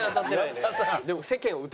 でも。